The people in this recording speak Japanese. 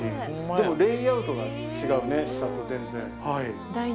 でもレイアウトが違うね下と全然。